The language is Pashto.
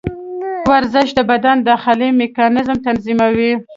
ورزش د بدن داخلي میکانیزم تنظیموي.